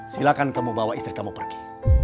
silahkan kamu bawa istri kamu pergi